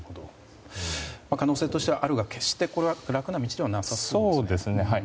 可能性としてはあるが決してこれは楽な道ではなさそうですね。